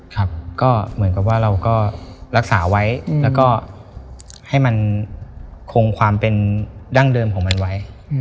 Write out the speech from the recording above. ครับก็เหมือนกับว่าเราก็รักษาไว้แล้วก็ให้มันคงความเป็นดั้งเดิมของมันไว้